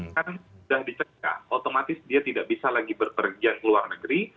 kan sudah dicegah otomatis dia tidak bisa lagi berpergian ke luar negeri